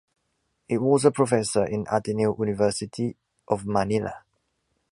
It was a professor in the Ateneo University of Manila.